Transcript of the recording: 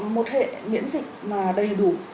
một hệ miễn dịch mà đầy đủ